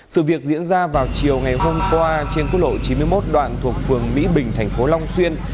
sự việc diễn ra vào chiều ngày hôm qua trên quốc lộ chín mươi một đoạn thuộc phường mỹ bình thành phố long xuyên